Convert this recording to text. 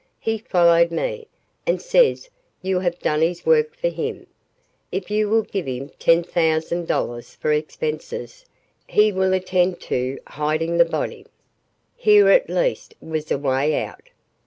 He followed me, and says you have done his work for him. If you will give him ten thousand dollars for expenses, he will attend to hiding the body." Here at least was a way out.